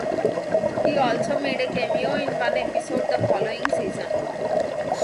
He also made a cameo in one episode the following season.